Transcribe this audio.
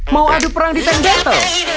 mau adu perang di tank battle